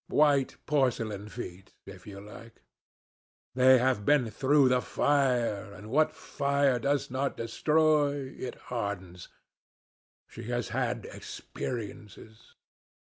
White porcelain feet, if you like. They have been through the fire, and what fire does not destroy, it hardens. She has had experiences."